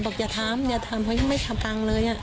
บอกอย่าทำไม่ทำเขายังไม่ฟังเลย